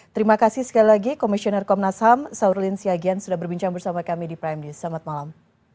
terima kasih sekali lagi komisioner komnas ham saurin siagian sudah berbincang bersama kami di prime news selamat malam